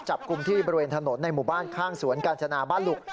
จับกลุ่มที่บริเวณถนนในหมู่บ้านข้างสวนกาญจนาบ้านหลุก